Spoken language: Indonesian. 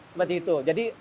seperti itu jadi